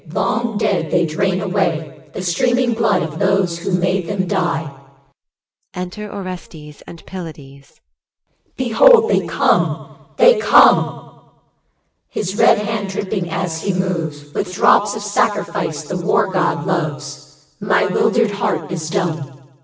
Long dead, they drain away The streaming blood of those who made them die. Enter ORESTES and PYLADES. Behold, they come, they come! His red hand dripping as he moves With drops of sacrifice the War god loves. My 'wildered heart is dumb. EL.